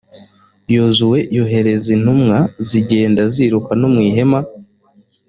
yozuwe yohereza intumwa zigenda ziruka no mu ihema.